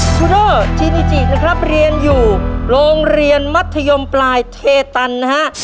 ทูโนจินิจินะครับเรียนอยู่โรงเรียนมัธยมปลายเทตันนะฮะ